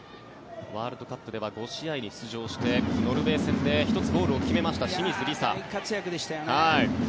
ワールドカップでは５試合に出場してノルウェー戦で１つゴールを決めました清水梨紗大活躍でしたよね。